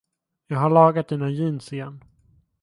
Jag har lagat dina jeans igen.